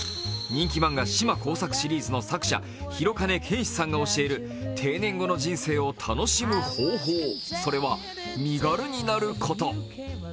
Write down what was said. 人気漫画「島耕作」シリーズの作者・弘兼憲史さんが教える定年後の人生を楽しむ方法、それは身軽になること。